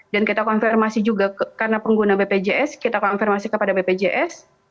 kita konfirmasi juga karena pengguna bpjs kita konfirmasi kepada bpjs